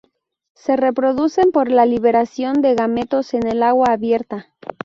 Se reproducen por la liberación de gametos en el agua abierta.